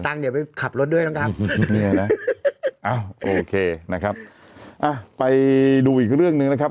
ตังค์เดี๋ยวไปขับรถด้วยนะครับเอานะครับอ่ะไปดูอีกเรื่องหนึ่งนะครับ